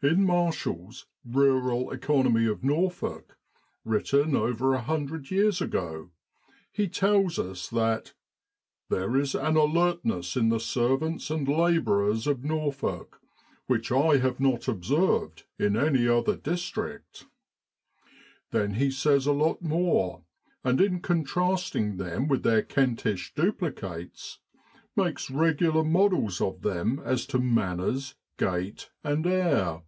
' In Marshall's ' Kural Economy of Norfolk,' written over a hundred years ago, he tells us that ( there is an alertness in the servants and labourers of Norfolk which I have not observed in any other district.' Then he says a lot more, and in contrasting them with their Kentish duplicates, makes regular models, of them as to manners, gait, and air.